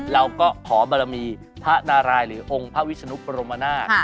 เราก็ขอบารมีพระนารายหรือองค์พระวิศนุปรมนาศ